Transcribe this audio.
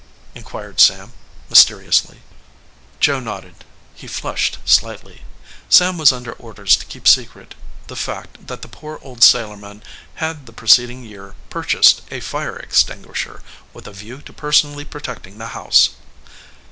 inquired Sam, mys teriously. Joe nodded. He flushed slightly. Sam was un der orders to keep secret the fact that the poor old 147 EDGEWATER PEOPLE sailorman had the preceding year purchased a fire extinguisher, with a view to personally protecting the House.